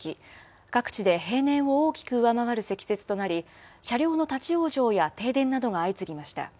各地で平年を大きく上回る積雪となり、車両の立往生や停電などが相次ぎました。